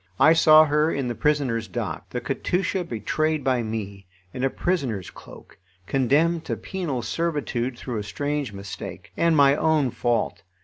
I saw her in the prisoners' dock, the Katusha betrayed by me, in a prisoner's cloak, condemned to penal servitude through a strange mistake, and my own fault.